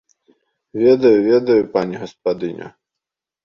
Ведаю, ведаю, пані гаспадыня!